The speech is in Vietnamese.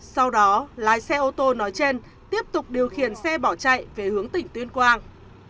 sau đó lái xe ô tô nói trên tiếp tục điều khiển xe bỏ chạy về hướng tỉnh tuyên quang